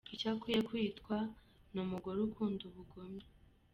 Icyo akwiye kwitwa ni umugore ukunda ubugome.